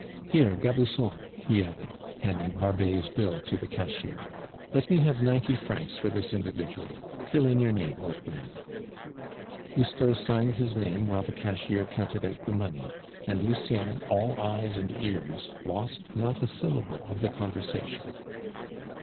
"Here, Gabusson," he added, handing Barbet's bill to the cashier, "let me have ninety francs for this individual. Fill in your name, old man." Lousteau signed his name while the cashier counted out the money; and Lucien, all eyes and ears, lost not a syllable of the conversation.